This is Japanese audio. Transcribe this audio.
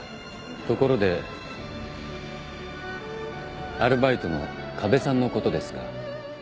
ところでアルバイトの河辺さんのことですが